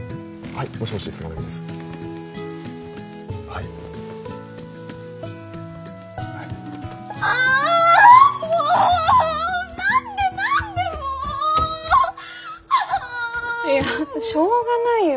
いやしょうがないよ。